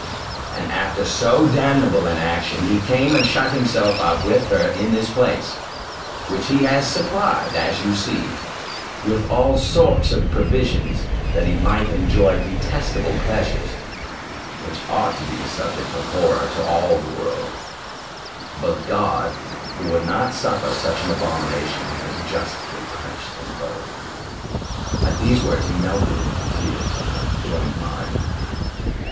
And after so damnable an action, he came and shut himself up with her in this place, which he has supplied, as you see, with all sorts of provisions, that he might enjoy detestable pleasures, which ought to be a subject of horror to all the world; but God, who would not suffer such an abomination, has justly punished them both." At these words, he melted into tears, and I joined mine with his.